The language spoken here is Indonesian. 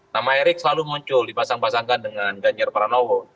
nama erik selalu muncul dipasang pasangkan dengan ganyar pranowo